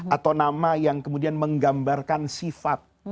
atau nama yang kemudian menggambarkan sifat